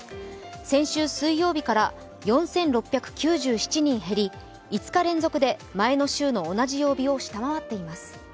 先週水曜日から４６９７人減り、５日連続で前の週の同じ曜日を下回っています。